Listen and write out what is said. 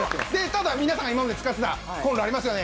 ただ皆さんが今まで使ってたコンロありますよね？